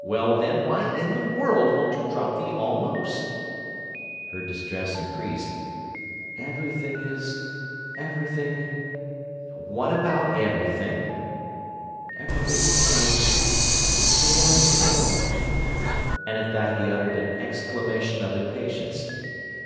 "Well, then, why in the world won't you drop the 'almost'?" Her distress increased. "Everything is—everything—" "What about 'everything'?" "Everything is so—so unsettled." And at that he uttered an exclamation of impatience.